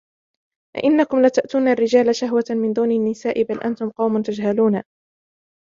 أَئِنَّكُمْ لَتَأْتُونَ الرِّجَالَ شَهْوَةً مِنْ دُونِ النِّسَاءِ بَلْ أَنْتُمْ قَوْمٌ تَجْهَلُونَ